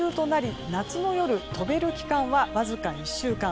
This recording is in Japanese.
成虫となり夏の夜、飛べる期間はわずか１週間。